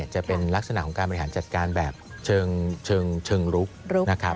จะเป็นลักษณะของการบริหารจัดการแบบเชิงลุกนะครับ